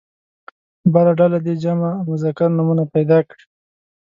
بله ډله دې جمع مذکر نومونه پیدا کړي.